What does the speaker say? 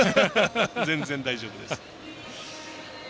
全然、大丈夫です。